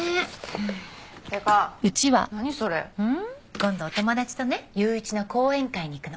今度お友達とね雄一の講演会に行くの。